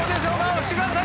押してください。